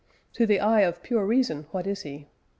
To the eye of pure Reason what is he?